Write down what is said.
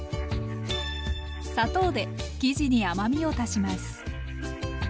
砂糖で生地に甘みを足します。